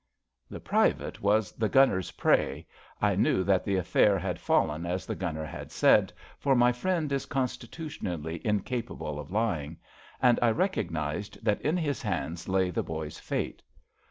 The Private was the Gunner's prey — ^I knew that the affair had fallen as the Gunner had said, for my friend is constitutionally incapable of lying — and I recognised that in his hands lay the boy's fate.